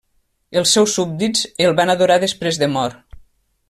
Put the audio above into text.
Els seus súbdits el van adorar després de mort.